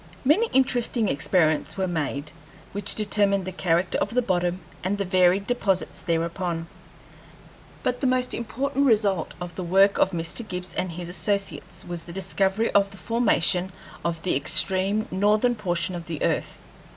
Many interesting experiments were made, which determined the character of the bottom and the varied deposits thereupon, but the most important result of the work of Mr. Gibbs and his associates was the discovery of the formation of the extreme northern portion of the earth.